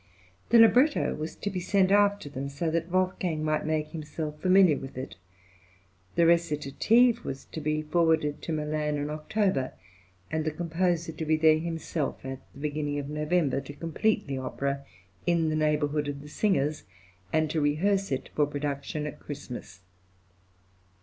The libretto was to be sent after them, so that Wolfgang might make himself familiar with it, the recitative was to be forwarded to Milan in October, and the composer to be there himself at the beginning of November, to complete the opera in the neighbourhood of the singers, and to rehearse it for production at Christmas.